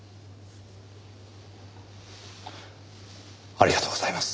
ありがとうございます。